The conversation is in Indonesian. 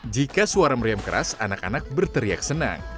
jika suara meriam keras anak anak berteriak senang